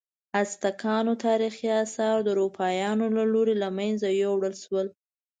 ازتکانو تاریخي آثار د اروپایانو له لوري له منځه یوړل شول.